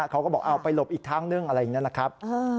เขาก็บอกเอาไปหลบอีกทางนึงอะไรอย่างนี้นะครับ